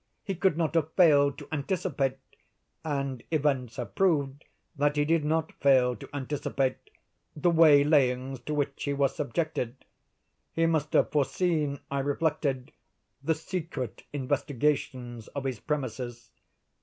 He could not have failed to anticipate—and events have proved that he did not fail to anticipate—the waylayings to which he was subjected. He must have foreseen, I reflected, the secret investigations of his premises.